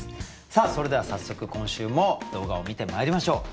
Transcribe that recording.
さあそれでは早速今週も動画を観てまいりましょう。